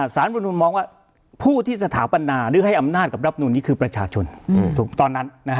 สารรำนูลมองว่าผู้ที่สถาปนาหรือให้อำนาจกับรำนูลนี้คือประชาชน